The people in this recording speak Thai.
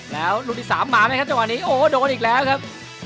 แล้วลูกที่สามมาไหมครับจังหวะนี้โอ้โดนอีกแล้วครับ